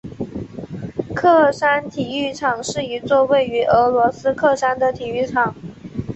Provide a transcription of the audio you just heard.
喀山体育场是一座位于俄罗斯喀山的体育场。